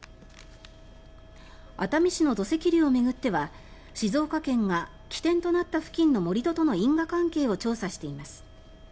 熱海市の土石流を巡っては静岡県が起点となった付近の盛り土との因果関係を調査しています。